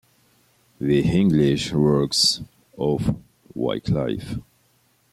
"The English Works of Wyclif".